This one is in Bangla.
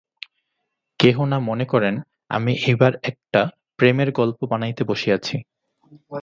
কেহ না মনে করেন আমি এইবার একটা প্রেমের গল্প বানাইতে বসিয়াছি।